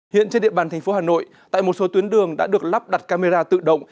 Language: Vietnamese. hiện trên địa bàn thành phố hà nội tại một số tuyến đường đã được lắp đặt camera tự động